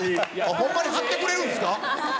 ほんまに貼ってくれるんですか。